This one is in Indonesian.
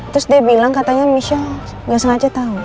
terus dia bilang katanya michelle gak sengaja tau